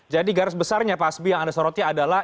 jadi garis besarnya pak asbi yang anda sorotnya adalah